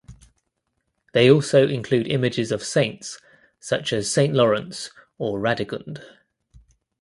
They also include images of saints such as Saint Lawrence or Radegund.